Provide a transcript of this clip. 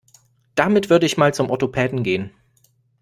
Damit würde ich mal zum Orthopäden gehen.